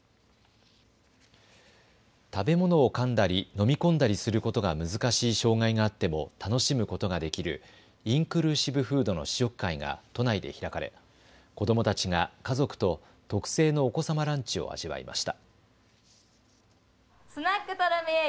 食べ物をかんだり飲み込んだりすることが難しい障害があっても楽しむことができるインクルーシブフードの試食会が都内で開かれ子どもたちが家族と特製のお子様ランチを味わいました。